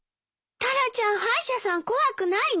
タラちゃん歯医者さん怖くないの？